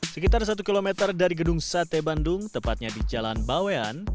sekitar satu km dari gedung sate bandung tepatnya di jalan bawean